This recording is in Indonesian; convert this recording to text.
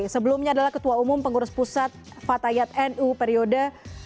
sebelumnya adalah ketua umum pengurus pusat fatayat nu periode dua ribu sepuluh dua ribu lima belas